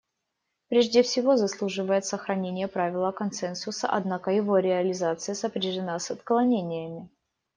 Прежде всего заслуживает сохранения правило консенсуса, однако его реализация сопряжена с отклонениями.